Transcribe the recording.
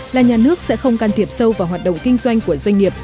là nhà nước sẽ không can thiệp sâu vào hoạt động kinh doanh của doanh nghiệp